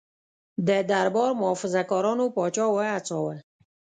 د دربار محافظه کارانو پاچا وهڅاوه.